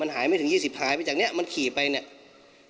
มันหายไม่ถึงยี่สิบหายไปจากเนี้ยมันขี่ไปเนี่ย